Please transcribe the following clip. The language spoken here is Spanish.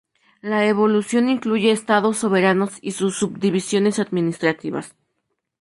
La evolución incluye estados soberanos y sus subdivisiones administrativas.